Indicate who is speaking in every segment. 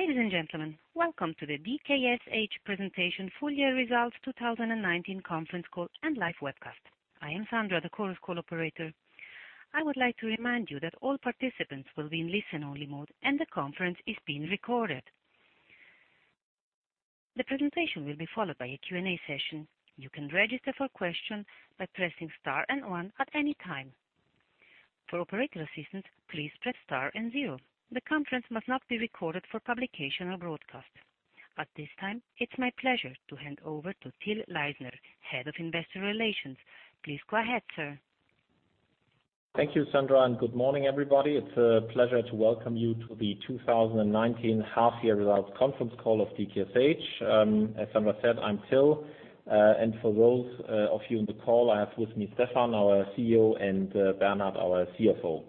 Speaker 1: Ladies and gentlemen, welcome to the DKSH presentation full year results 2019 conference call and live webcast. I am Sandra, the conference call operator. I would like to remind you that all participants will be in listen-only mode and the conference is being recorded. The presentation will be followed by a Q&A session. You can register for question by pressing star and one at any time. For operator assistance, please press star and zero. The conference must not be recorded for publication or broadcast. At this time, it's my pleasure to hand over to Till Leisner, Head of Investor Relations. Please go ahead, sir.
Speaker 2: Thank you, Sandra. Good morning, everybody. It's a pleasure to welcome you to the 2019 half year results conference call of DKSH. As Sandra said, I'm Till. For those of you on the call, I have with me Stefan, our CEO, and Bernhard, our CFO.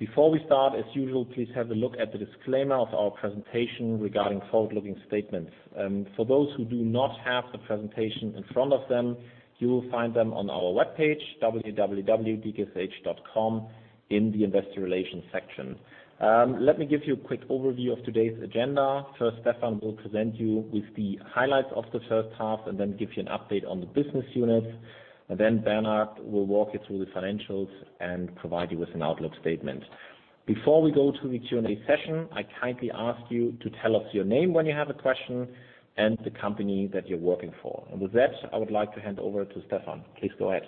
Speaker 2: Before we start, as usual, please have a look at the disclaimer of our presentation regarding forward-looking statements. For those who do not have the presentation in front of them, you will find them on our webpage, www.dksh.com, in the investor relations section. Let me give you a quick overview of today's agenda. First, Stefan will present you with the highlights of the first half and then give you an update on the business units. Bernhard will walk you through the financials and provide you with an outlook statement. Before we go to the Q&A session, I kindly ask you to tell us your name when you have a question and the company that you're working for. With that, I would like to hand over to Stefan. Please go ahead.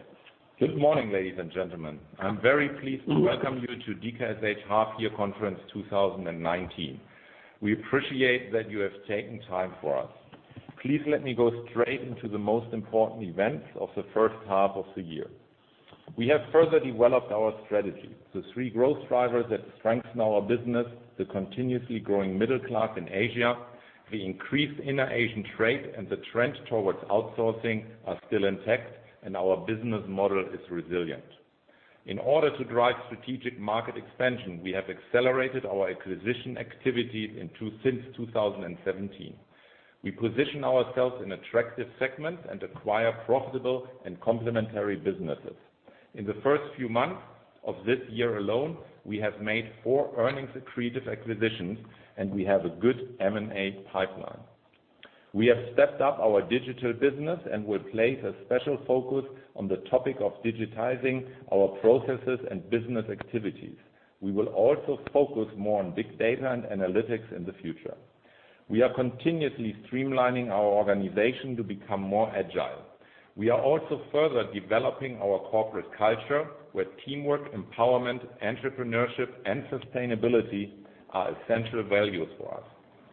Speaker 3: Good morning, ladies and gentlemen. I'm very pleased to welcome you to DKSH Half Year Conference 2019. We appreciate that you have taken time for us. Please let me go straight into the most important events of the first half of the year. We have further developed our strategy. The three growth drivers that strengthen our business, the continuously growing middle class in Asia, the increased inner Asian trade, and the trend towards outsourcing are still intact. Our business model is resilient. In order to drive strategic market expansion, we have accelerated our acquisition activities since 2017. We position ourselves in attractive segments and acquire profitable and complementary businesses. In the first few months of this year alone, we have made four earnings accretive acquisitions. We have a good M&A pipeline. We have stepped up our digital business and will place a special focus on the topic of digitizing our processes and business activities. We will also focus more on big data and analytics in the future. We are continuously streamlining our organization to become more agile. We are also further developing our corporate culture, where teamwork, empowerment, entrepreneurship, and sustainability are essential values for us.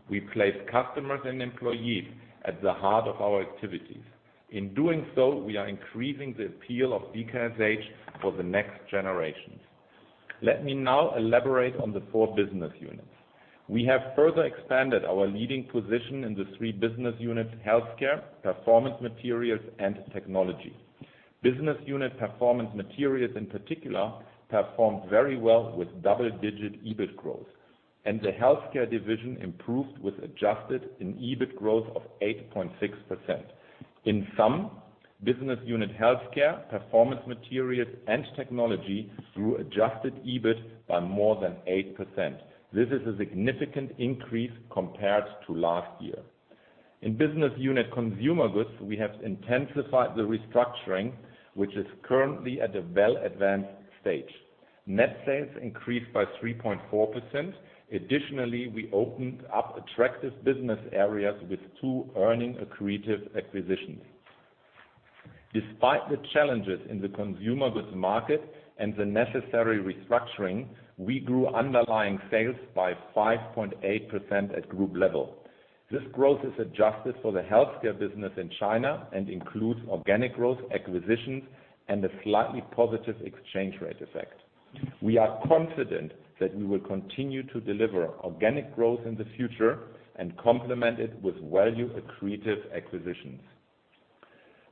Speaker 3: We place customers and employees at the heart of our activities. In doing so, we are increasing the appeal of DKSH for the next generations. Let me now elaborate on the four business units. We have further expanded our leading position in the three business units, Healthcare, Performance Materials, and Technology. Business Unit Performance Materials in particular performed very well with double-digit EBIT growth, and the Healthcare division improved with adjusted an EBIT growth of 8.6%. Business Unit Healthcare, Performance Materials, and Technology grew adjusted EBIT by more than 8%. This is a significant increase compared to last year. In Business Unit Consumer Goods, we have intensified the restructuring, which is currently at a well-advanced stage. Net sales increased by 3.4%. Additionally, we opened up attractive business areas with two earning accretive acquisitions. Despite the challenges in the consumer goods market and the necessary restructuring, we grew underlying sales by 5.8% at group level. This growth is adjusted for the Healthcare business in China and includes organic growth acquisitions and a slightly positive exchange rate effect. We are confident that we will continue to deliver organic growth in the future and complement it with value accretive acquisitions.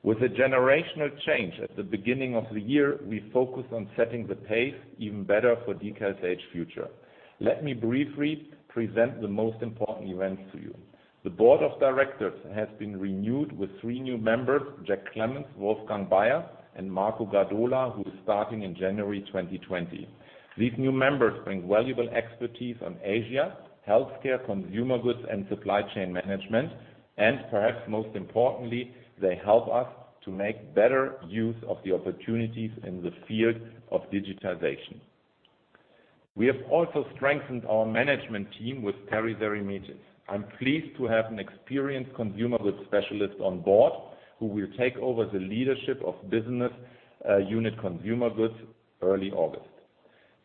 Speaker 3: With a generational change at the beginning of the year, we focused on setting the pace even better for DKSH future. Let me briefly present the most important events to you. The board of directors has been renewed with three new members, Jack Clemons, Wolfgang Baier, and Marco Gadola, who is starting in January 2020. These new members bring valuable expertise on Asia, Healthcare, Consumer Goods, and supply chain management, and perhaps most importantly, they help us to make better use of the opportunities in the field of digitization. We have also strengthened our management team with Terry Seremetis. I'm pleased to have an experienced consumer goods specialist on board who will take over the leadership of Business Unit Consumer Goods early August.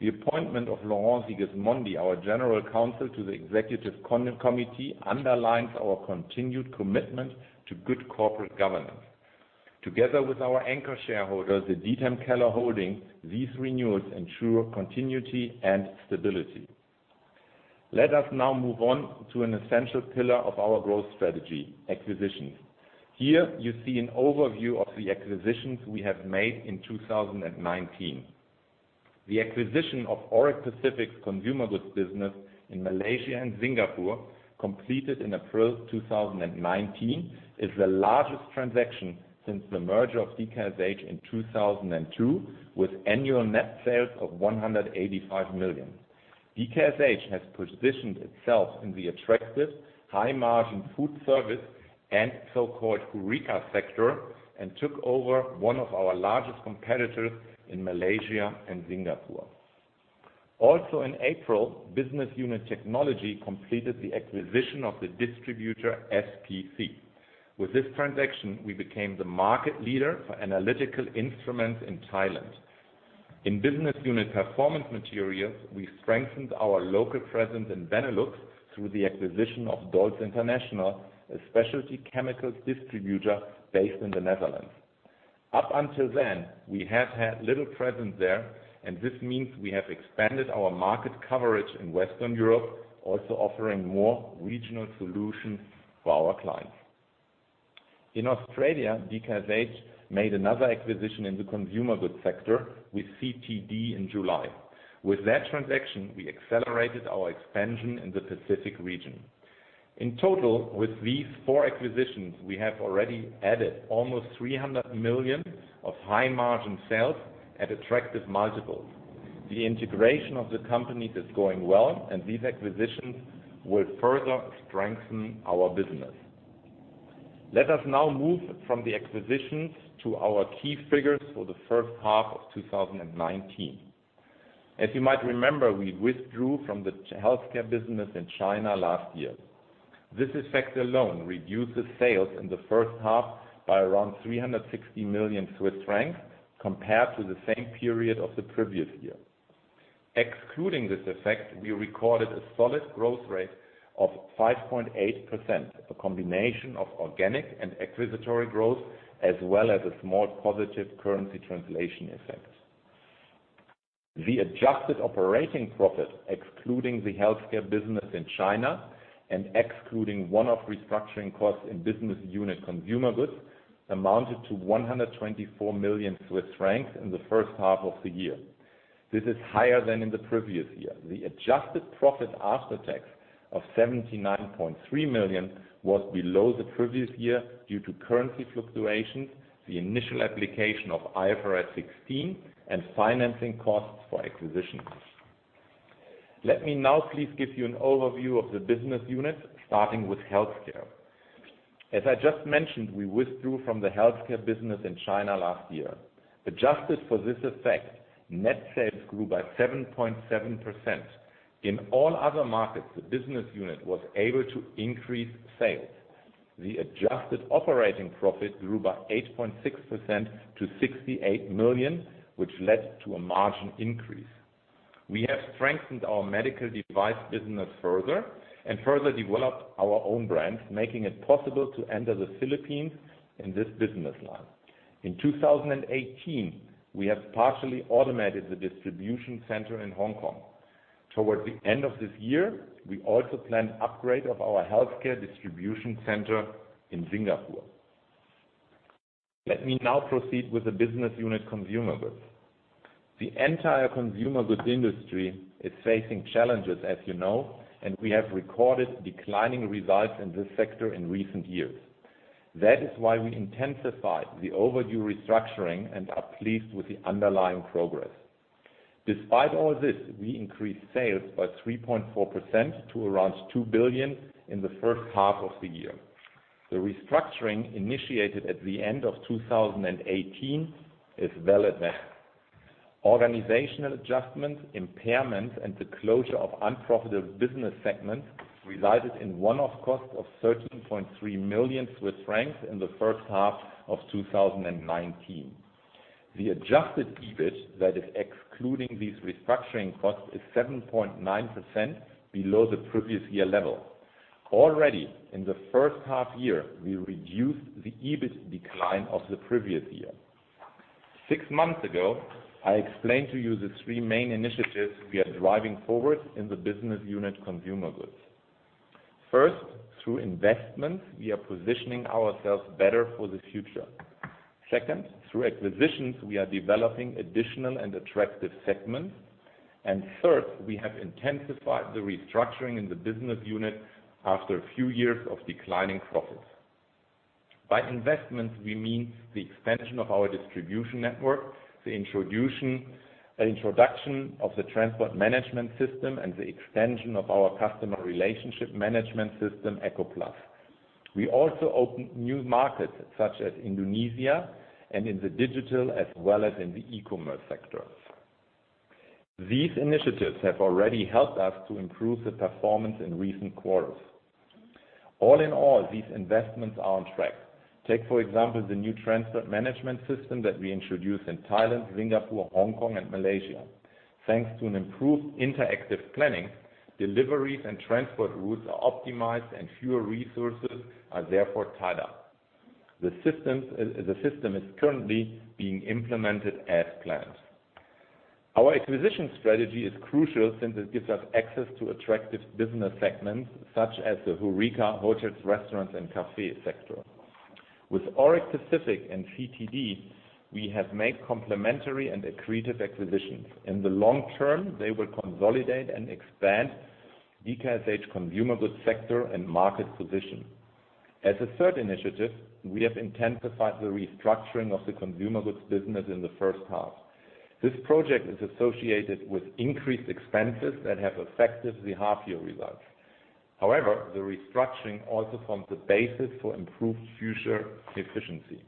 Speaker 3: The appointment of Laurent Sigismondi, our general counsel to the executive committee, underlines our continued commitment to good corporate governance. Together with our anchor shareholder, the Diethelm Keller Holding, these renewals ensure continuity and stability. Let us now move on to an essential pillar of our growth strategy, acquisitions. Here you see an overview of the acquisitions we have made in 2019. The acquisition of Auric Pacific's consumer goods business in Malaysia and Singapore, completed in April 2019, is the largest transaction since the merger of DKSH in 2002 with annual net sales of 185 million. DKSH has positioned itself in the attractive high-margin food service and so-called HoReCa sector and took over one of our largest competitors in Malaysia and Singapore. Also in April, Business Unit Technology completed the acquisition of the distributor SPC. With this transaction, we became the market leader for analytical instruments in Thailand. In Business Unit Performance Materials, we strengthened our local presence in Benelux through the acquisition of Dols International, a specialty chemicals distributor based in the Netherlands. Up until then, we have had little presence there, and this means we have expanded our market coverage in Western Europe, also offering more regional solutions for our clients. In Australia, DKSH made another acquisition in the consumer goods sector with CTD in July. With that transaction, we accelerated our expansion in the Pacific region. In total, with these four acquisitions, we have already added almost 300 million of high margin sales at attractive multiples. The integration of the companies is going well, and these acquisitions will further strengthen our business. Let us now move from the acquisitions to our key figures for the first half of 2019. As you might remember, we withdrew from the healthcare business in China last year. This effect alone reduces sales in the first half by around 360 million Swiss francs compared to the same period of the previous year. Excluding this effect, we recorded a solid growth rate of 5.8%, a combination of organic and acquisitory growth, as well as a small positive currency translation effect. The adjusted operating profit, excluding the healthcare business in China and excluding one-off restructuring costs in Business Unit Consumer Goods, amounted to 124 million Swiss francs in the first half of the year. This is higher than in the previous year. The adjusted profit after tax of 79.3 million was below the previous year due to currency fluctuations, the initial application of IFRS 16, and financing costs for acquisitions. Let me now please give you an overview of the business units, starting with healthcare. As I just mentioned, we withdrew from the healthcare business in China last year. Adjusted for this effect, net sales grew by 7.7%. In all other markets, the business unit was able to increase sales. The adjusted operating profit grew by 8.6% to 68 million, which led to a margin increase. We have strengthened our medical device business further and further developed our own brands, making it possible to enter the Philippines in this business line. In 2018, we have partially automated the distribution center in Hong Kong. Towards the end of this year, we also plan upgrade of our healthcare distribution center in Singapore. Let me now proceed with the Business Unit Consumer Goods. The entire consumer goods industry is facing challenges, as you know, and we have recorded declining results in this sector in recent years. That is why we intensified the overdue restructuring and are pleased with the underlying progress. Despite all this, we increased sales by 3.4% to around 2 billion in the first half of the year. The restructuring initiated at the end of 2018 is well advanced. Organizational adjustments, impairments, and the closure of unprofitable business segments resulted in one-off costs of 13.3 million Swiss francs in the first half of 2019. The adjusted EBIT, that is excluding these restructuring costs, is 7.9% below the previous year level. Already in the first half year, we reduced the EBIT decline of the previous year. Six months ago, I explained to you the three main initiatives we are driving forward in the Business Unit Consumer Goods. First, through investments, we are positioning ourselves better for the future. Second, through acquisitions, we are developing additional and attractive segments. Third, we have intensified the restructuring in the business unit after a few years of declining profits. By investments, we mean the expansion of our distribution network, the introduction of the transport management system, and the extension of our customer relationship management system, EchoPlus. We also opened new markets such as Indonesia and in the digital as well as in the e-commerce sectors. These initiatives have already helped us to improve the performance in recent quarters. All in all, these investments are on track. Take, for example, the new transport management system that we introduced in Thailand, Singapore, Hong Kong and Malaysia. Thanks to an improved interactive planning, deliveries and transport routes are optimized and fewer resources are therefore tied up. The system is currently being implemented as planned. Our acquisition strategy is crucial since it gives us access to attractive business segments such as the HORECA, hotels, restaurants, and café sector. With Auric Pacific and CTD, we have made complementary and accretive acquisitions. In the long term, they will consolidate and expand DKSH consumer goods sector and market position. As a third initiative, we have intensified the restructuring of the consumer goods business in the first half. This project is associated with increased expenses that have affected the half year results. However, the restructuring also forms the basis for improved future efficiency.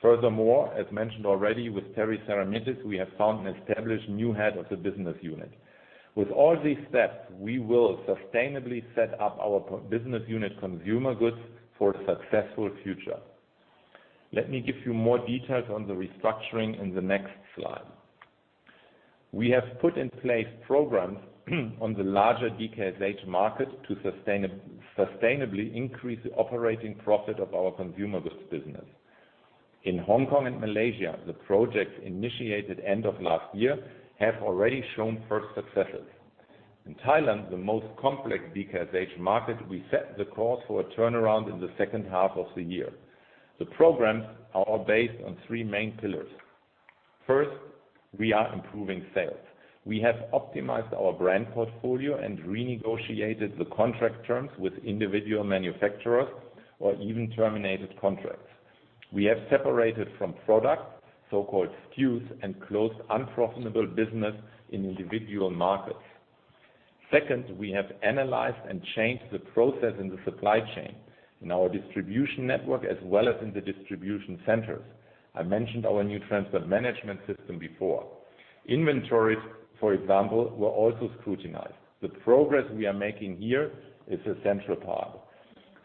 Speaker 3: Furthermore, as mentioned already with Terry Seremetis, we have found an established new head of the business unit. With all these steps, we will sustainably set up our Business Unit Consumer Goods for a successful future. Let me give you more details on the restructuring in the next slide. We have put in place programs on the larger DKSH market to sustainably increase the operating profit of our consumer goods business. In Hong Kong and Malaysia, the projects initiated end of last year have already shown first successes. In Thailand, the most complex DKSH market, we set the course for a turnaround in the second half of the year. The programs are all based on three main pillars. First, we are improving sales. We have optimized our brand portfolio and renegotiated the contract terms with individual manufacturers or even terminated contracts. We have separated from products, so-called SKUs, and closed unprofitable business in individual markets. Second, we have analyzed and changed the process in the supply chain, in our distribution network, as well as in the distribution centers. I mentioned our new transport management system before. Inventories, for example, were also scrutinized. The progress we are making here is a central part.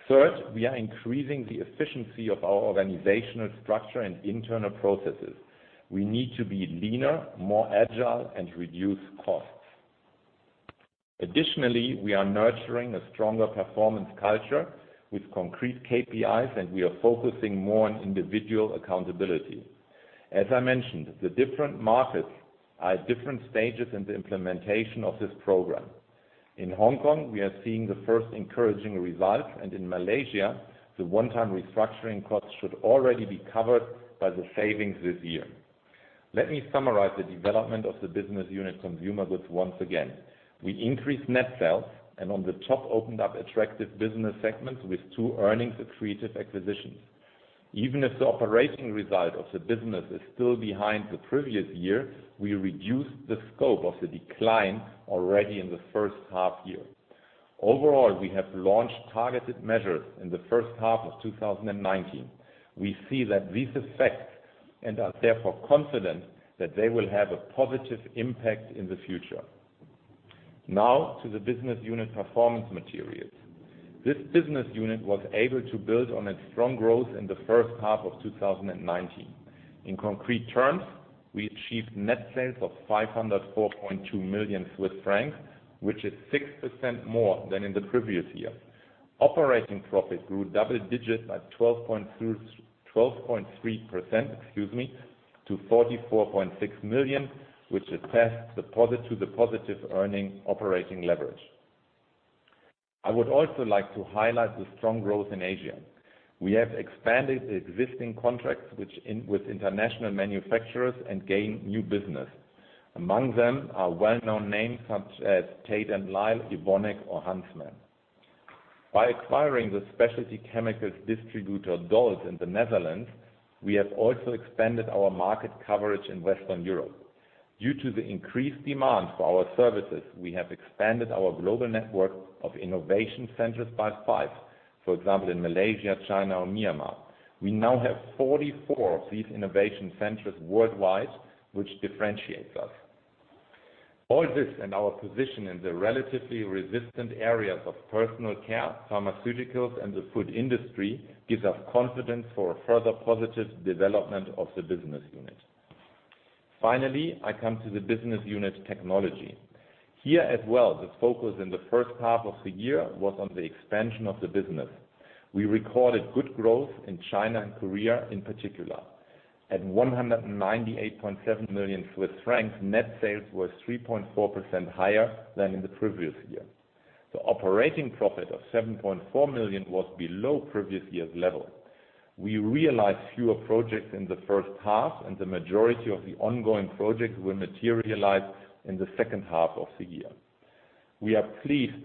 Speaker 3: Third, we are increasing the efficiency of our organizational structure and internal processes. We need to be leaner, more agile, and reduce costs. Additionally, we are nurturing a stronger performance culture with concrete KPIs, and we are focusing more on individual accountability. As I mentioned, the different markets are at different stages in the implementation of this program. In Hong Kong, we are seeing the first encouraging results, and in Malaysia, the one-time restructuring costs should already be covered by the savings this year. Let me summarize the development of the Business Unit Consumer Goods once again. We increased net sales and on the top opened up attractive business segments with two earnings accretive acquisitions. Even if the operating result of the business is still behind the previous year, we reduced the scope of the decline already in the first half year. Overall, we have launched targeted measures in the first half of 2019. We see that these affect and are therefore confident that they will have a positive impact in the future. Now to the business unit Performance Materials. This business unit was able to build on its strong growth in the first half of 2019. In concrete terms, we achieved net sales of 504.2 million Swiss francs, which is 6% more than in the previous year. Operating profit grew double digit by 12.3%, excuse me, to 44.6 million, which attests to the positive earning operating leverage. I would also like to highlight the strong growth in Asia. We have expanded the existing contracts with international manufacturers and gained new business. Among them are well-known names such as Tate & Lyle, Evonik or Huntsman. By acquiring the specialty chemicals distributor, Dols, in the Netherlands, we have also expanded our market coverage in Western Europe. Due to the increased demand for our services, we have expanded our global network of innovation centers by five, for example, in Malaysia, China or Myanmar. We now have 44 of these innovation centers worldwide, which differentiates us. All this and our position in the relatively resistant areas of personal care, pharmaceuticals, and the food industry gives us confidence for further positive development of the business unit. Finally, I come to the business unit Technology. Here as well, the focus in the first half of the year was on the expansion of the business. We recorded good growth in China and Korea in particular. At 198.7 million Swiss francs, net sales was 3.4% higher than in the previous year. The operating profit of 7.4 million was below previous year's level. We realized fewer projects in the first half, and the majority of the ongoing projects will materialize in the second half of the year. We are pleased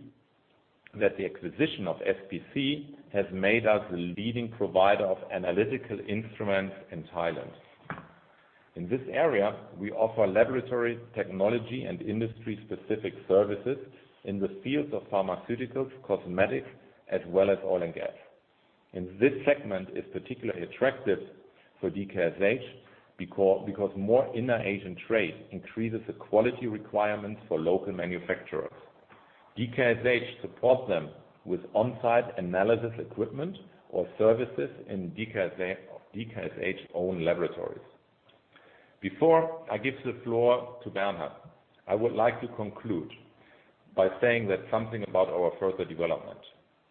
Speaker 3: that the acquisition of SPC has made us the leading provider of analytical instruments in Thailand. In this area, we offer laboratory technology and industry-specific services in the fields of pharmaceuticals, cosmetics, as well as oil and gas. This segment is particularly attractive for DKSH because more inner Asian trade increases the quality requirements for local manufacturers. DKSH supports them with on-site analysis equipment or services in DKSH own laboratories. Before I give the floor to Bernhard, I would like to conclude by saying something about our further development.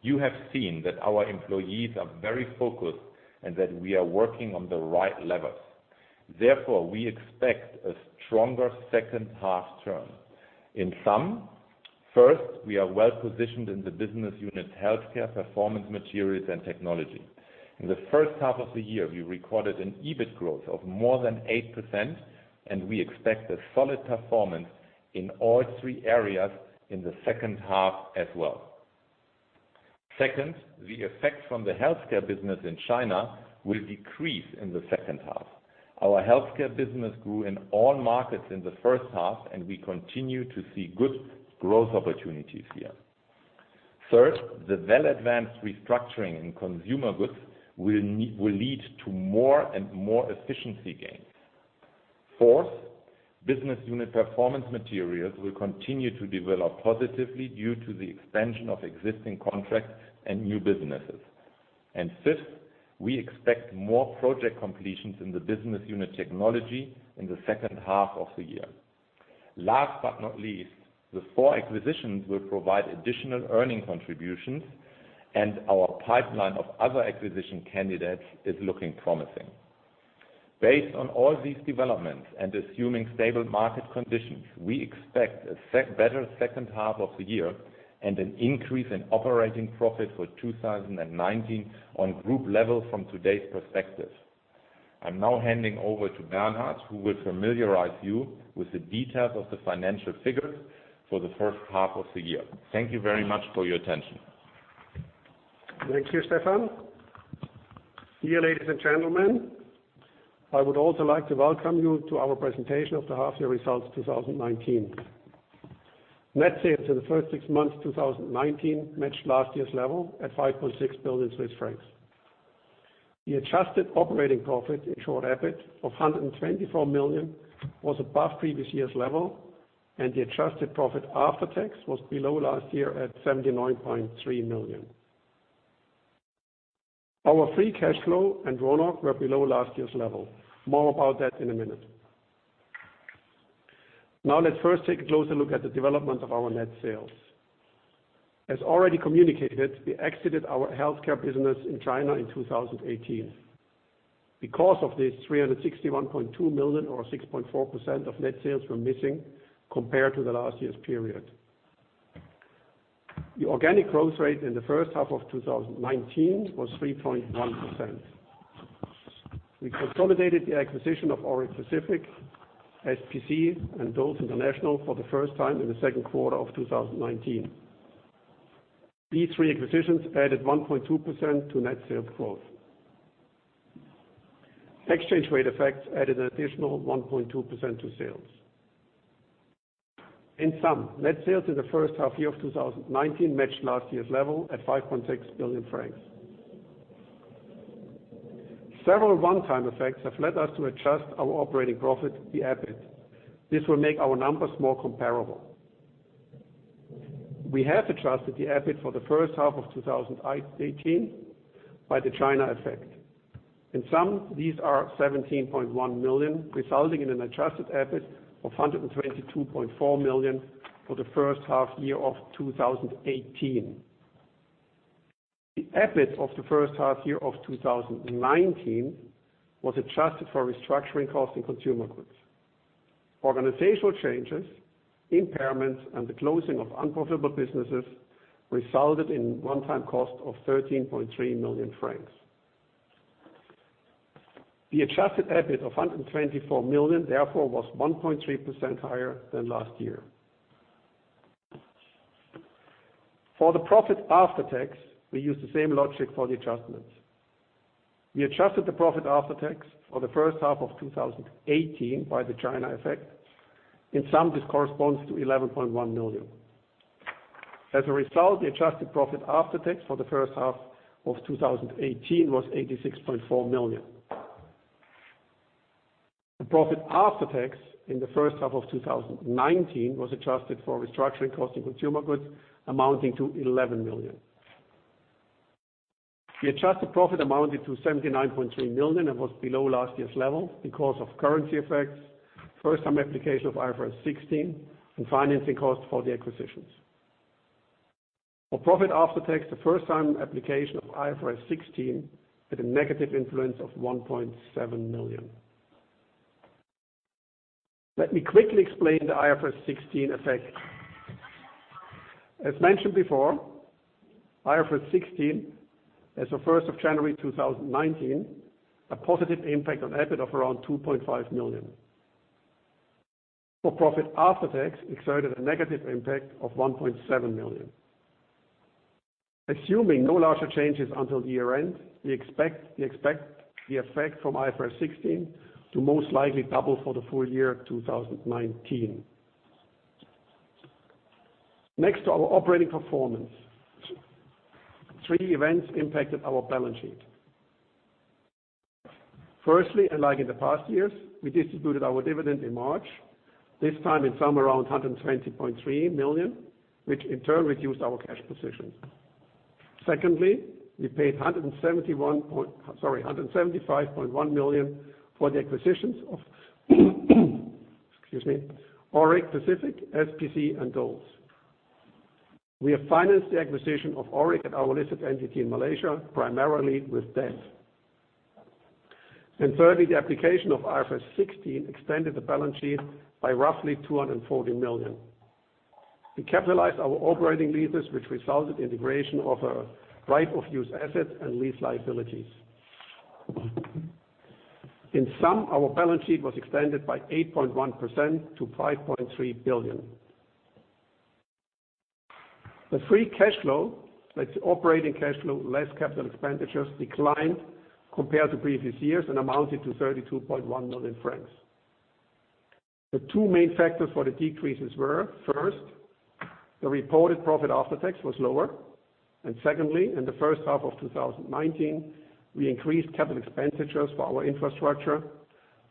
Speaker 3: You have seen that our employees are very focused and that we are working on the right levers. Therefore, we expect a stronger second half turn. In sum, first, we are well positioned in the business unit Healthcare, Performance Materials, and Technology. In the first half of the year, we recorded an EBIT growth of more than 8%, and we expect a solid performance in all three areas in the second half as well. Second, the effect from the Healthcare business in China will decrease in the second half. Our Healthcare business grew in all markets in the first half, and we continue to see good growth opportunities here. Third, the well-advanced restructuring in Consumer Goods will lead to more and more efficiency gains. Fourth, business unit Performance Materials will continue to develop positively due to the expansion of existing contracts and new businesses. Fifth, we expect more project completions in the business unit Technology in the second half of the year. Last but not least, the four acquisitions will provide additional earning contributions, and our pipeline of other acquisition candidates is looking promising. Based on all these developments and assuming stable market conditions, we expect a better second half of the year and an increase in operating profit for 2019 on group level from today's perspective. I'm now handing over to Bernhard, who will familiarize you with the details of the financial figures for the first half of the year. Thank you very much for your attention.
Speaker 4: Thank you, Stefan. Dear ladies and gentlemen, I would also like to welcome you to our presentation of the half-year results 2019. Net sales in the first six months of 2019 matched last year's level at 5.6 billion Swiss francs. The adjusted operating profit, in short, EBIT of 124 million, was above previous year's level, and the adjusted profit after tax was below last year at 79.3 million. Our free cash flow and ROIC were below last year's level. More about that in a minute. Let's first take a closer look at the development of our net sales. As already communicated, we exited our healthcare business in China in 2018. Because of this, 361.2 million or 6.4% of net sales were missing compared to the last year's period. The organic growth rate in the first half of 2019 was 3.1%. We consolidated the acquisition of Auric Pacific, SPC, and Dols International for the first time in the second quarter of 2019. These three acquisitions added 1.2% to net sale growth. Exchange rate effects added an additional 1.2% to sales. In sum, net sales in the first half year of 2019 matched last year's level at 5.6 billion francs. Several one-time effects have led us to adjust our operating profit, the EBIT. This will make our numbers more comparable. We have adjusted the EBIT for the first half of 2018 by the China effect. In sum, these are 17.1 million, resulting in an adjusted EBIT of 122.4 million for the first half year of 2018. The EBIT of the first half year of 2019 was adjusted for restructuring costs in consumer goods. Organizational changes, impairments, and the closing of unprofitable businesses resulted in one-time cost of 13.3 million francs. The adjusted EBIT of 124 million therefore was 1.3% higher than last year. For the profit after tax, we use the same logic for the adjustments. We adjusted the profit after tax for the first half of 2018 by the China effect. In sum, this corresponds to 11.1 million. As a result, the adjusted profit after tax for the first half of 2018 was 86.4 million. The profit after tax in the first half of 2019 was adjusted for restructuring cost in consumer goods amounting to 11 million. The adjusted profit amounted to 79.3 million and was below last year's level because of currency effects, first-time application of IFRS 16, and financing costs for the acquisitions. For profit after tax, the first-time application of IFRS 16 had a negative influence of 1.7 million. Let me quickly explain the IFRS 16 effect. As mentioned before, IFRS 16, as of 1st of January 2019, a positive impact on EBIT of around 2.5 million. For profit after tax exerted a negative impact of 1.7 million. Assuming no larger changes until year-end, we expect the effect from IFRS 16 to most likely double for the full year 2019. Next, our operating performance. Three events impacted our balance sheet. Firstly, like in the past years, we distributed our dividend in March, this time in sum around 120.3 million, which in turn reduced our cash position. Secondly, we paid 175.1 million for the acquisitions of excuse me, Auric Pacific, SPC, and Dols. We have financed the acquisition of Auric at our listed entity in Malaysia, primarily with debt. Thirdly, the application of IFRS 16 extended the balance sheet by roughly 240 million. We capitalized our operating leases, which resulted in the creation of a right of use asset and lease liabilities. In sum, our balance sheet was expanded by 8.1% to 5.3 billion. The free cash flow, that's operating cash flow, less capital expenditures, declined compared to previous years and amounted to 32.1 million francs. The two main factors for the decreases were, first, the reported profit after tax was lower, and secondly, in the first half of 2019, we increased capital expenditures for our infrastructure,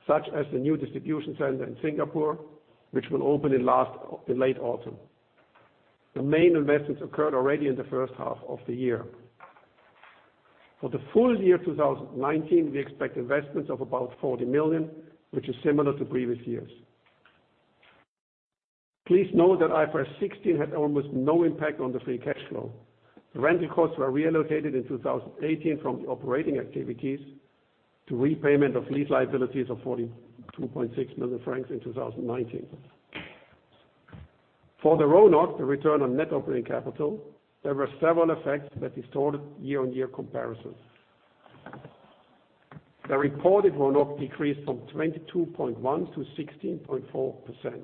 Speaker 4: such as the new distribution center in Singapore, which will open in late autumn. The main investments occurred already in the first half of the year. For the full year 2019, we expect investments of about 40 million, which is similar to previous years. Please note that IFRS 16 had almost no impact on the free cash flow. Rental costs were relocated in 2018 from operating activities to repayment of lease liabilities of 42.6 million francs in 2019. For the RONOC, the return on net operating capital, there were several effects that distorted year-on-year comparisons. The reported RONOC decreased from 22.1% to 16.4%.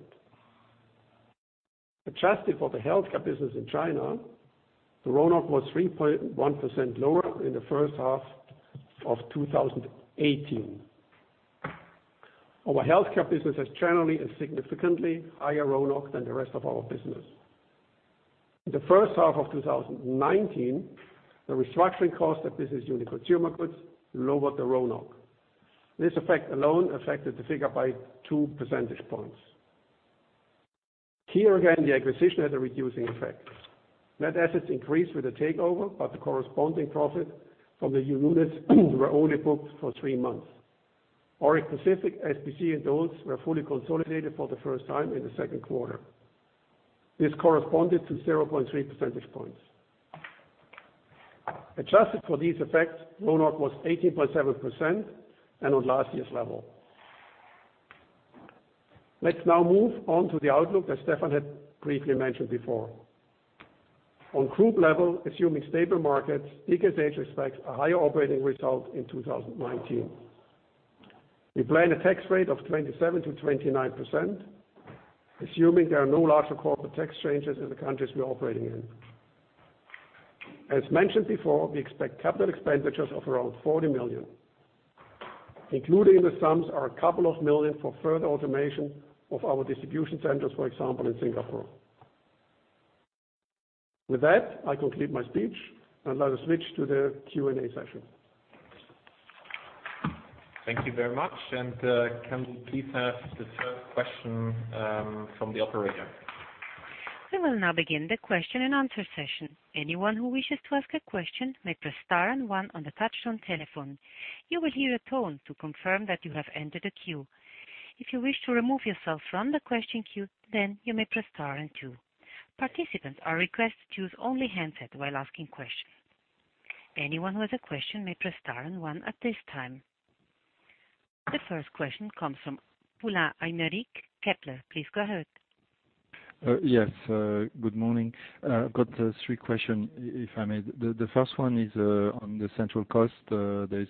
Speaker 4: Adjusted for the healthcare business in China, the RONOC was 3.1% lower in the first half of 2018. Our healthcare business has generally a significantly higher RONOC than the rest of our business. In the first half of 2019, the restructuring cost of Business Unit Consumer Goods lowered the RONOC. This effect alone affected the figure by two percentage points. Here again, the acquisition had a reducing effect. Net assets increased with the takeover, but the corresponding profit from the new units were only booked for three months. Auric Pacific, SPC, and Dols were fully consolidated for the first time in the second quarter. This corresponded to 0.3 percentage points. Adjusted for these effects, RONOC was 18.7% and on last year's level. Let's now move on to the outlook as Stefan had briefly mentioned before. On group level, assuming stable markets, DKSH expects a higher operating result in 2019. We plan a tax rate of 27%-29%, assuming there are no larger corporate tax changes in the countries we are operating in. As mentioned before, we expect capital expenditures of around 40 million. Included in the sums are CHF a couple of million for further automation of our distribution centers, for example, in Singapore. With that, I conclude my speech, and let us switch to the Q&A session.
Speaker 2: Thank you very much. Can we please have the first question from the operator?
Speaker 1: We will now begin the question-and-answer session. Anyone who wishes to ask a question may press star and one on the touch-tone telephone. You will hear a tone to confirm that you have entered a queue. If you wish to remove yourself from the question queue, you may press star and two. Participants are requested to use only handset while asking questions. Anyone with a question may press star and one at this time. The first question comes from Poulain Aymeric, Kepler. Please go ahead.
Speaker 5: Yes, good morning. I've got three question, if I may. The first one is on the central cost. There's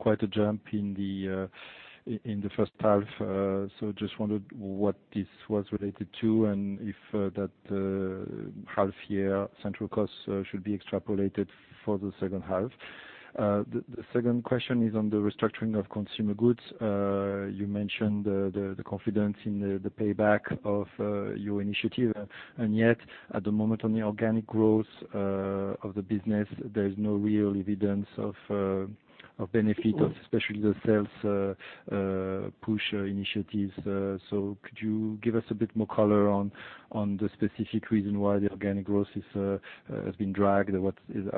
Speaker 5: quite a jump in the first half, so just wondered what this was related to and if that half-year central cost should be extrapolated for the second half. The second question is on the restructuring of Consumer Goods. Yet at the moment on the organic growth of the business, there's no real evidence of benefit of, especially the sales push initiatives. Could you give us a bit more color on the specific reason why the organic growth has been dragged? Are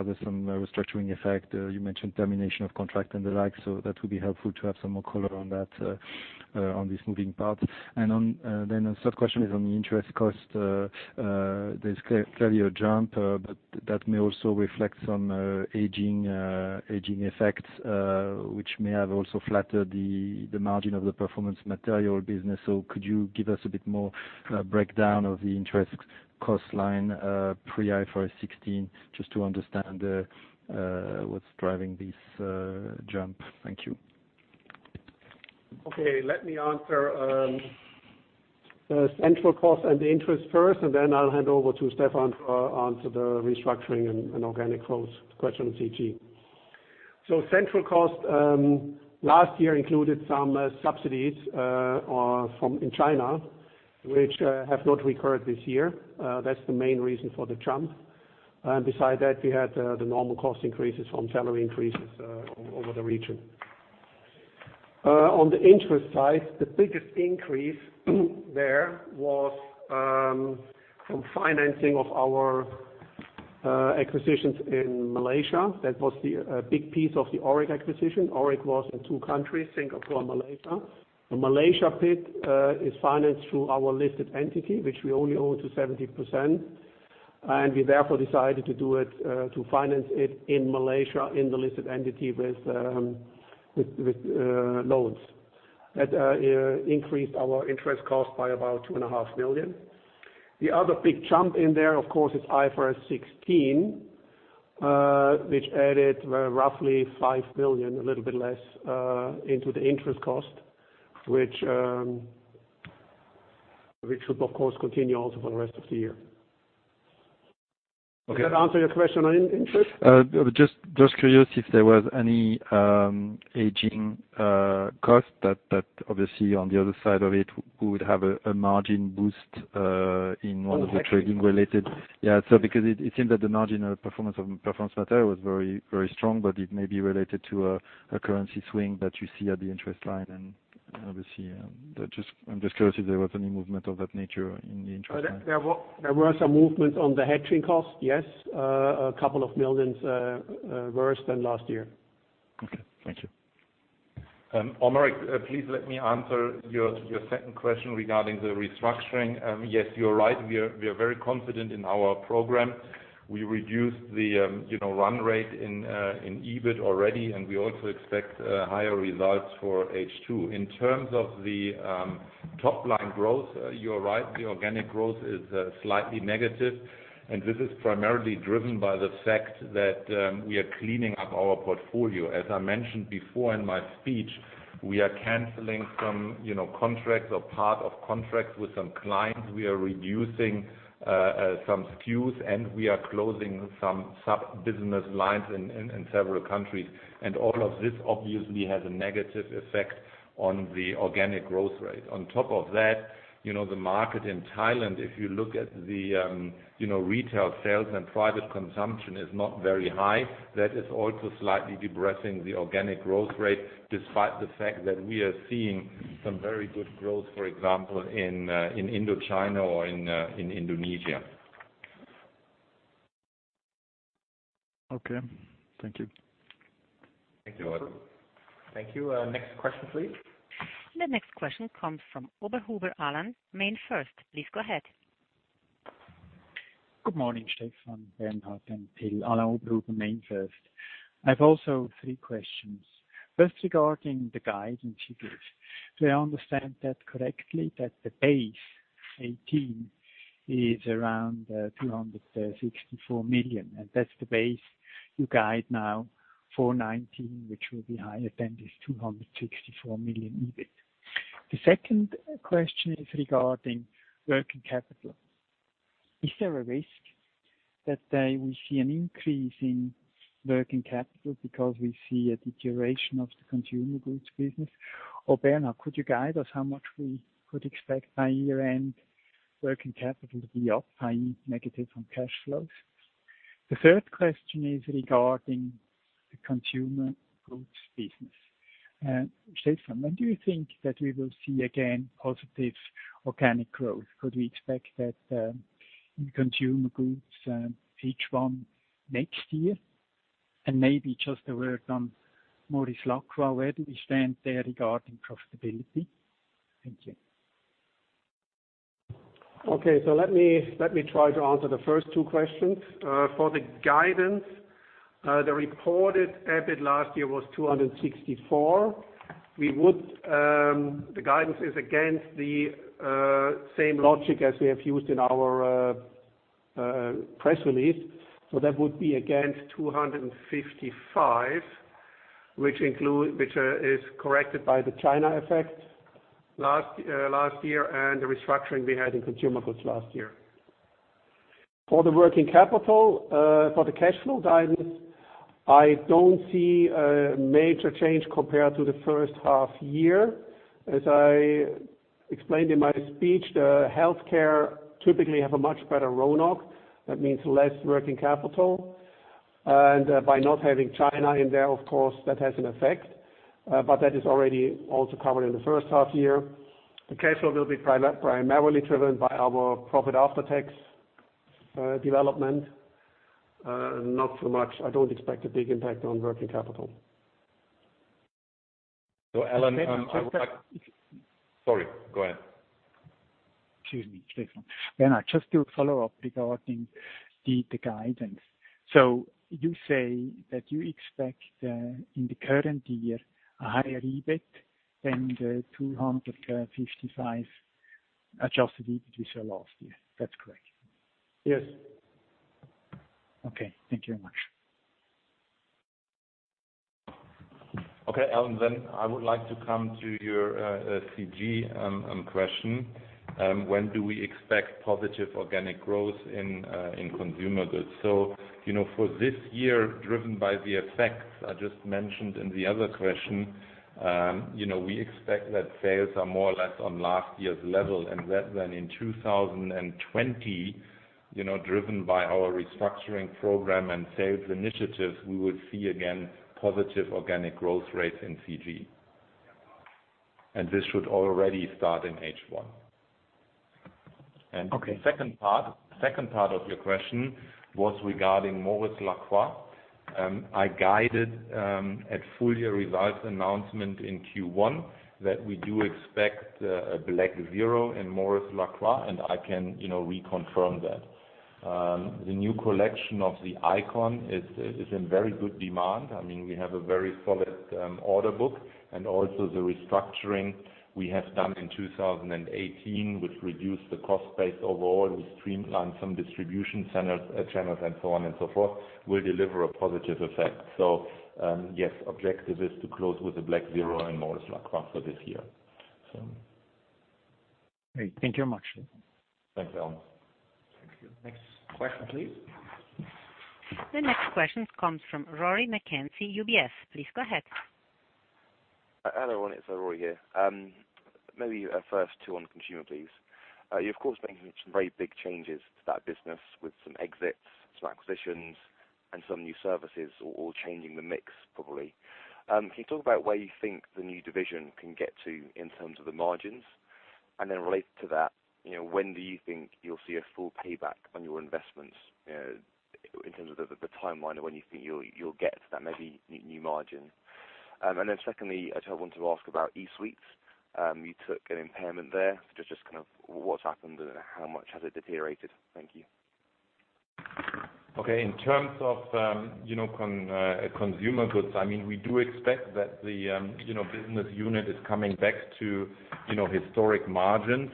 Speaker 5: there some restructuring effect? You mentioned termination of contract and the like, so that would be helpful to have some more color on that, on this moving part. A third question is on the interest cost. There's clearly a jump, but that may also reflect some aging effects, which may have also flattered the margin of the Performance Materials business. Could you give us a bit more breakdown of the interest cost line pre IFRS 16 just to understand what's driving this jump? Thank you.
Speaker 4: Okay, let me answer central cost and interest first, then I'll hand over to Stefan to answer the restructuring and organic growth question on CG. Central cost, last year included some subsidies in China, which have not recurred this year. That's the main reason for the jump. Beside that, we had the normal cost increases from salary increases over the region. On the interest side, the biggest increase there was from financing of our acquisitions in Malaysia. That was the big piece of the Auric acquisition. Auric was in two countries, Singapore and Malaysia. The Malaysia bit is financed through our listed entity, which we only own to 70%. We therefore decided to do it, to finance it in Malaysia, in the listed entity with loans. That increased our interest cost by about two and a half million. The other big jump in there, of course, is IFRS 16, which added roughly 5 million, a little bit less, into the interest cost, which should of course continue also for the rest of the year.
Speaker 5: Okay.
Speaker 4: Does that answer your question on interest?
Speaker 5: Just curious if there was any aging cost that obviously on the other side of it, we would have a margin boost in one of the trading related.
Speaker 4: Oh, actually.
Speaker 5: Yeah. It seems that the marginal performance of Performance Materials was very strong, but it may be related to a currency swing that you see at the interest line. Obviously, I'm just curious if there was any movement of that nature in the interest line.
Speaker 4: There were some movements on the hedging cost, yes. A couple of million worse than last year.
Speaker 5: Okay. Thank you.
Speaker 3: Aymeric, please let me answer your second question regarding the restructuring. Yes, you're right. We are very confident in our program. We reduced the run rate in EBIT already, and we also expect higher results for H2. In terms of the top-line growth, you are right, the organic growth is slightly negative, and this is primarily driven by the fact that we are cleaning up our portfolio. As I mentioned before in my speech, we are canceling some contracts or part of contracts with some clients. We are reducing some SKUs, and we are closing some business lines in several countries. All of this obviously has a negative effect on the organic growth rate. On top of that, the market in Thailand, if you look at the retail sales and private consumption is not very high. That is also slightly depressing the organic growth rate, despite the fact that we are seeing some very good growth, for example, in Indochina or in Indonesia.
Speaker 5: Okay. Thank you.
Speaker 3: You're welcome.
Speaker 2: Thank you. Next question, please.
Speaker 1: The next question comes from Alain Oberhuber, MainFirst. Please go ahead.
Speaker 6: Good morning, Stefan, Bernhard, and Till. Alain Oberhuber, MainFirst. I've also three questions. First, regarding the guidance you give. Do I understand that correctly, that the base 2018 is around 264 million, and that's the base you guide now for 2019, which will be higher than this 264 million EBIT? The second question is regarding working capital. Is there a risk that we see an increase in working capital because we see a deterioration of the consumer goods business? Bernhard, could you guide us how much we could expect by year-end working capital to be up, i.e., negative on cash flows? The third question is regarding the consumer goods business. Stefan, when do you think that we will see again positive organic growth? Could we expect that in consumer goods H1 next year? Maybe just a word on Maurice Lacroix, where do we stand there regarding profitability? Thank you.
Speaker 4: Okay. Let me try to answer the first two questions. For the guidance, the reported EBIT last year was 264. That would be against 255, which is corrected by the China effect last year and the restructuring we had in consumer goods last year. For the working capital, for the cash flow guidance, I don't see a major change compared to the first half year. As I explained in my speech, the healthcare typically have a much better RONOC. That means less working capital. By not having China in there, of course, that has an effect. But that is already also covered in the first half year. The cash flow will be primarily driven by our profit after tax development. Not so much. I don't expect a big impact on working capital.
Speaker 3: So Alain, I would like-
Speaker 6: Just a-
Speaker 3: Sorry, go ahead.
Speaker 6: Excuse me, Stefan. Bernhard, just to follow up regarding the guidance. You say that you expect in the current year a higher EBIT than the 255 adjusted EBIT we saw last year. That's correct?
Speaker 4: Yes.
Speaker 6: Thank you very much.
Speaker 3: Alain, I would like to come to your CG question. When do we expect positive organic growth in consumer goods? For this year, driven by the effects I just mentioned in the other question, we expect that sales are more or less on last year's level, that in 2020, driven by our restructuring program and sales initiatives, we would see again positive organic growth rates in CG. This should already start in H1.
Speaker 6: Okay.
Speaker 3: The second part of your question was regarding Maurice Lacroix. I guided at full year results announcement in Q1 that we do expect a black zero in Maurice Lacroix, I can reconfirm that. The new collection of the AIKON is in very good demand. We have a very solid order book and also the restructuring we have done in 2018, which reduced the cost base overall. We streamlined some distribution channels and so on and so forth, will deliver a positive effect. Yes, objective is to close with a black zero in Maurice Lacroix for this year.
Speaker 6: Great. Thank you much.
Speaker 3: Thanks, Alain.
Speaker 2: Thank you. Next question, please.
Speaker 1: The next question comes from Rory McKenzie, UBS. Please go ahead.
Speaker 7: Hello, it is Rory McKenzie here. Maybe first two on consumer, please. You, of course, making some very big changes to that business with some exits, some acquisitions and some new services, all changing the mix probably. Can you talk about where you think the new division can get to in terms of the margins? Related to that, when do you think you will see a full payback on your investments, in terms of the timeline of when you think you will get to that maybe new margin? Secondly, I want to ask about eSweets. You took an impairment there. Just, what has happened and how much has it deteriorated? Thank you.
Speaker 3: Okay. In terms of Consumer Goods, we do expect that the business unit is coming back to historic margins.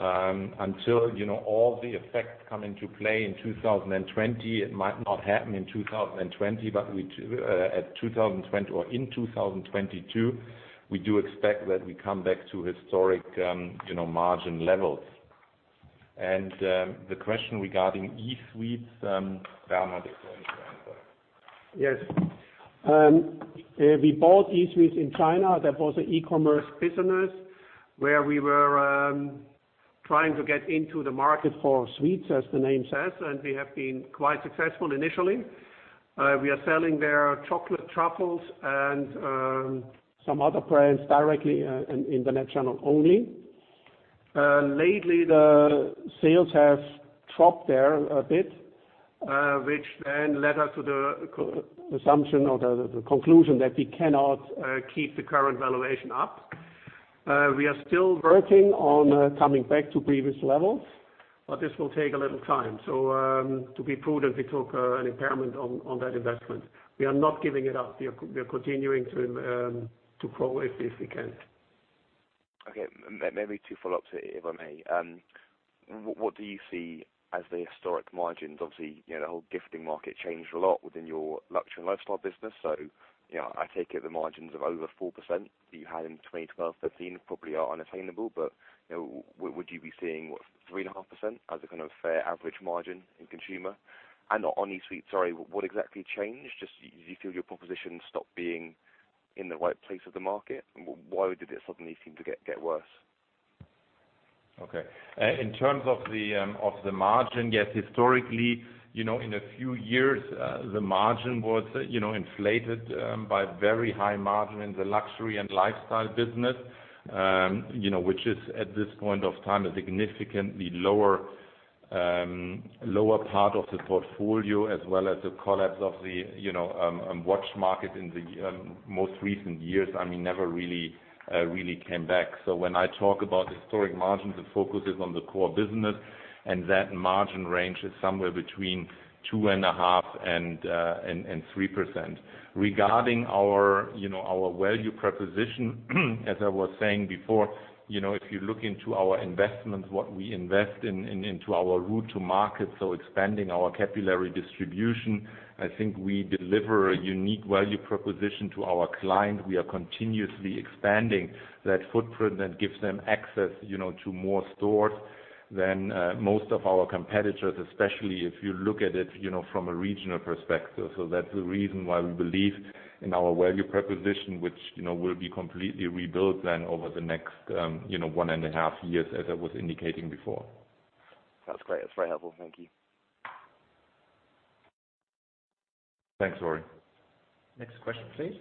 Speaker 3: Until all the effects come into play in 2020, it might not happen in 2020, but in 2022, we do expect that we come back to historic margin levels. The question regarding eSweets, Bernhard is going to answer.
Speaker 4: Yes. We bought eSweets in China. That was an e-commerce business where we were trying to get into the market for sweets, as the name says, and we have been quite successful initially. We are selling their chocolate truffles and some other brands directly in internet channel only. Lately, the sales have dropped there a bit, which then led us to the assumption or the conclusion that we cannot keep the current valuation up. We are still working on coming back to previous levels, but this will take a little time. To be prudent, we took an impairment on that investment. We are not giving it up. We are continuing to grow it if we can.
Speaker 7: Okay. Maybe two follow-ups, if I may. What do you see as the historic margins? Obviously, the whole gifting market changed a lot within your luxury and lifestyle business. I take it the margins of over 4% that you had in 2012, 2015 probably are unattainable, but would you be seeing what, 3.5% as a fair average margin in consumer? On eSweets, sorry, what exactly changed? Just do you feel your proposition stopped being in the right place of the market? Why did it suddenly seem to get worse?
Speaker 3: Okay. In terms of the margin, yes, historically, in a few years, the margin was inflated by very high margin in the luxury and lifestyle business, which is at this point of time, a significantly lower part of the portfolio as well as the collapse of the watch market in the most recent years, never really came back. When I talk about historic margins, the focus is on the core business and that margin range is somewhere between 2.5%-3%. Regarding our value proposition, as I was saying before, if you look into our investments, what we invest into our route to market, so expanding our capillary distribution. I think we deliver a unique value proposition to our client. We are continuously expanding that footprint and gives them access to more stores than most of our competitors, especially if you look at it from a regional perspective. That's the reason why we believe in our value proposition, which will be completely rebuilt then over the next one and a half years as I was indicating before.
Speaker 7: That's great. That's very helpful. Thank you.
Speaker 3: Thanks, Rory.
Speaker 2: Next question, please.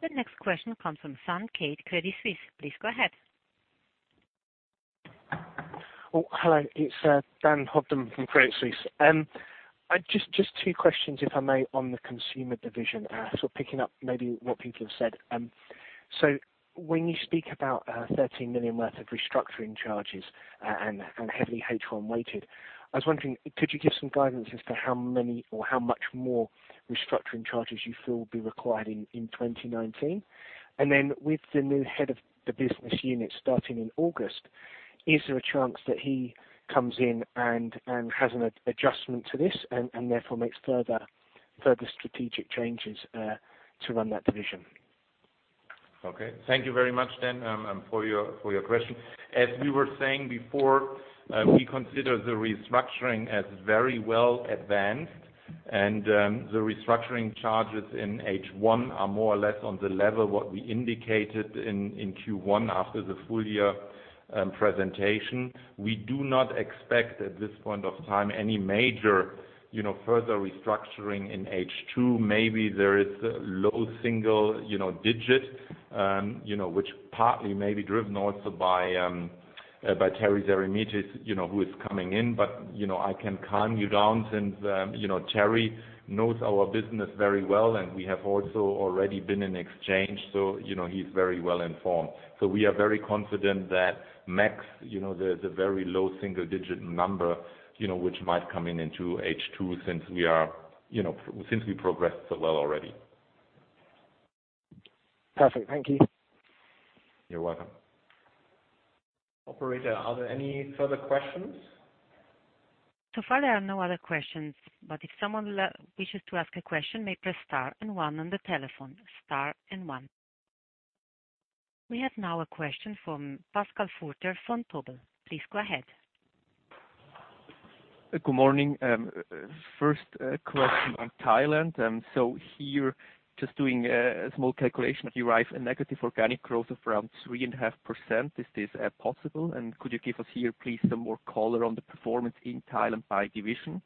Speaker 1: The next question comes from Dan Kade, Credit Suisse. Please go ahead.
Speaker 8: Hello, it's Dan Hobden from Credit Suisse. Just two questions, if I may, on the consumer division. Sort of picking up maybe what people have said. When you speak about 13 million worth of restructuring charges and heavily H1 weighted, I was wondering, could you give some guidance as to how many or how much more restructuring charges you feel will be required in 2019? With the new head of the business unit starting in August, is there a chance that he comes in and has an adjustment to this and therefore makes further strategic changes to run that division?
Speaker 3: Okay. Thank you very much, Dan for your question. As we were saying before, we consider the restructuring as very well advanced. The restructuring charges in H1 are more or less on the level what we indicated in Q1 after the full-year presentation. We do not expect at this point of time any major further restructuring in H2. Maybe there is low single-digit CHF which partly may be driven also by Terry Seremetis who is coming in. I can calm you down since Terry knows our business very well, and we have also already been in exchange. He's very well-informed. We are very confident that max the very low single-digit CHF number which might come in into H2 since we progressed so well already.
Speaker 8: Perfect. Thank you.
Speaker 3: You're welcome.
Speaker 2: Operator, are there any further questions?
Speaker 1: So far, there are no other questions, but if someone wishes to ask a question, may press star and one on the telephone. Star and one. We have now a question from Pascal Furger from Vontobel. Please go ahead.
Speaker 9: Good morning. First question on Thailand. Here, just doing a small calculation, derive a negative organic growth of around 3.5%. Is this possible? Could you give us here, please, some more color on the performance in Thailand by division?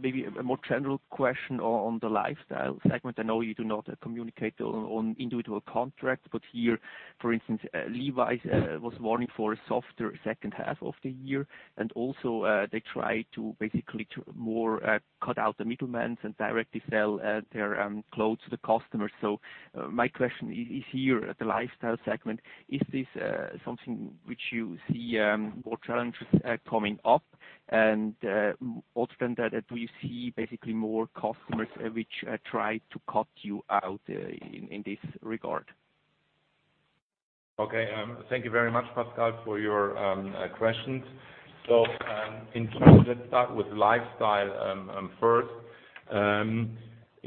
Speaker 9: Maybe a more general question on the lifestyle segment. I know you do not communicate on individual contracts, but here, for instance, Levi's was warning for a softer second half of the year, and also they tried to basically to more cut out the middlemen and directly sell their clothes to the customers. My question is here at the lifestyle segment, is this something which you see more challenges coming up? Also that do you see basically more customers which try to cut you out in this regard?
Speaker 3: Thank you very much, Pascal, for your questions. Let's start with lifestyle first.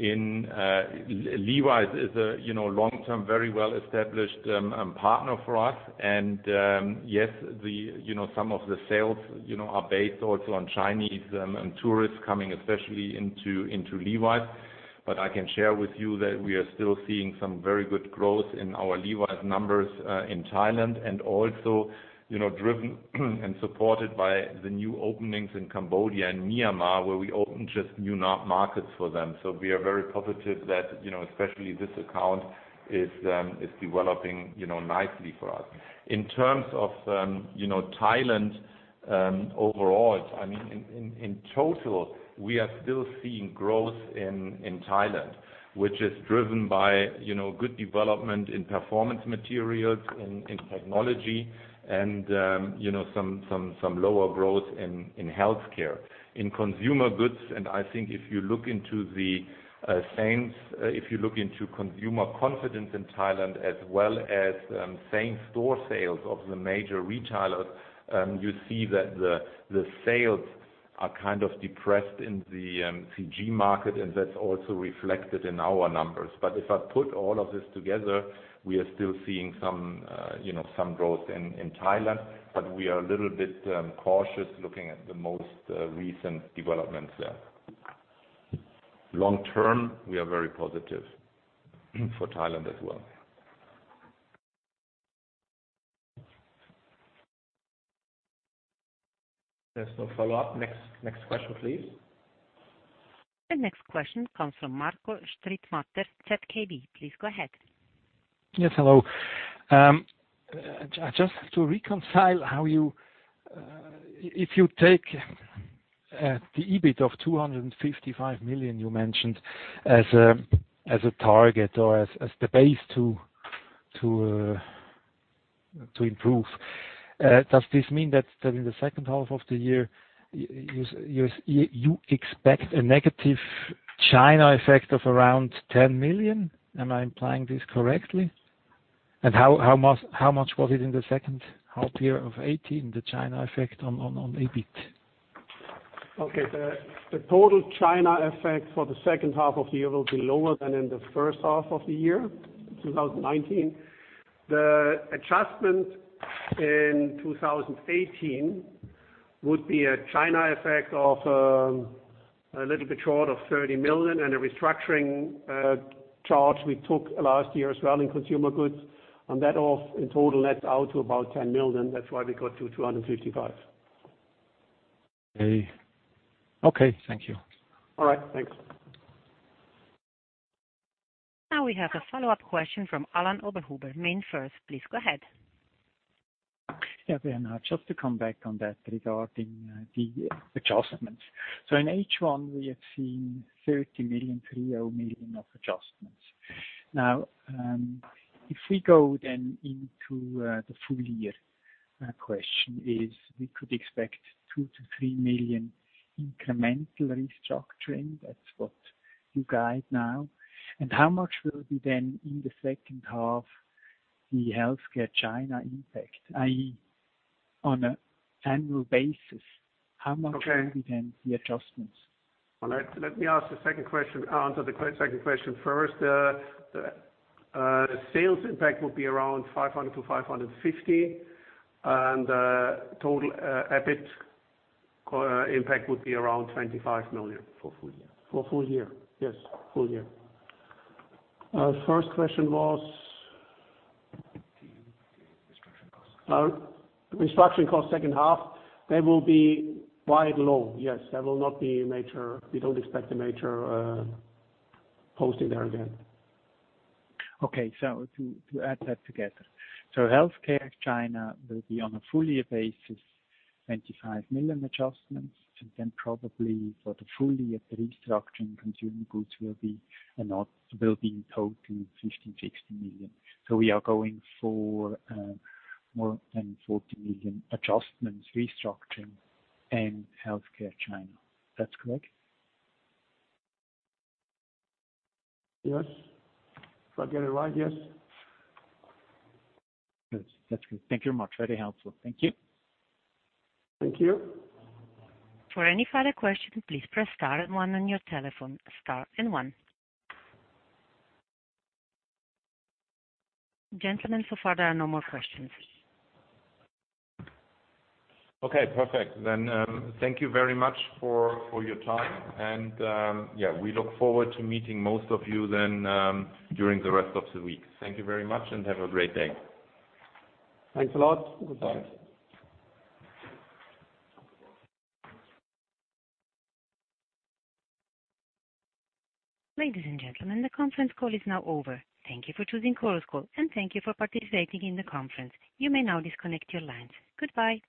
Speaker 3: Levi's is a long-term, very well-established partner for us and yes, some of the sales are based also on Chinese and tourists coming especially into Levi's. I can share with you that we are still seeing some very good growth in our Levi's numbers in Thailand and also driven and supported by the new openings in Cambodia and Myanmar where we opened just new markets for them. We are very positive that especially this account is developing nicely for us. In terms of Thailand overall, in total we are still seeing growth in Thailand which is driven by good development in Performance Materials, in Technology and some lower growth in Healthcare. In Consumer Goods, I think if you look into consumer confidence in Thailand as well as same-store sales of the major retailers, you see that the sales are kind of depressed in the CG market and that's also reflected in our numbers. If I put all of this together, we are still seeing some growth in Thailand, but we are a little bit cautious looking at the most recent developments there. Long term, we are very positive for Thailand as well.
Speaker 2: There's no follow-up. Next question, please.
Speaker 1: The next question comes from Marco Strittmatter, ZKB. Please go ahead.
Speaker 10: Yes, hello. Just to reconcile how if you take the EBIT of 255 million you mentioned as a target or as the base to improve. Does this mean that in the second half of the year you expect a negative China effect of around 10 million? Am I implying this correctly? How much was it in the second half year of 2018, the China effect on EBIT?
Speaker 4: Okay. The total China effect for the second half of the year will be lower than in the first half of the year 2019. The adjustment in 2018 would be a China effect of a little bit short of 30 million and a restructuring charge we took last year as well in consumer goods. That all in total nets out to about 10 million. That's why we got to 255.
Speaker 10: Okay. Thank you.
Speaker 4: All right. Thanks.
Speaker 1: Now we have a follow-up question from Alain Oberhuber, MainFirst. Please go ahead.
Speaker 6: Bernhard, just to come back on that regarding the adjustments. In H1 we have seen 30 million, 30 million of adjustments. If we go then into the full year, my question is, we could expect 2 million-3 million incremental restructuring. That's what you guide now. How much will it be then in the second half the healthcare China impact, i.e., on an annual basis, how much-
Speaker 4: Okay
Speaker 6: will be then the adjustments?
Speaker 4: All right. Let me answer the second question first. The sales impact will be around 500-550. Total EBIT impact would be around 25 million.
Speaker 6: For full year.
Speaker 4: For full year. Yes. Full year. First question was?
Speaker 6: The restructuring cost.
Speaker 4: Restructuring cost second half. They will be quite low. Yes. We don't expect a major posting there again.
Speaker 6: Okay. To add that together. Healthcare China will be on a full year basis, 25 million adjustments. Probably for the full year restructuring consumer goods will be in total 15 million-16 million. We are going for more than 40 million adjustments, restructuring in healthcare China. That's correct?
Speaker 4: Yes. If I get it right, yes.
Speaker 6: Good. That's good. Thank you very much. Very helpful. Thank you.
Speaker 4: Thank you.
Speaker 1: For any further question, please press star and one on your telephone. Star and one. Gentlemen, so far there are no more questions.
Speaker 2: Okay, perfect then. Thank you very much for your time and we look forward to meeting most of you then during the rest of the week. Thank you very much and have a great day.
Speaker 4: Thanks a lot. Goodbye.
Speaker 1: Ladies and gentlemen, the conference call is now over. Thank you for choosing Chorus Call, and thank you for participating in the conference. You may now disconnect your lines. Goodbye.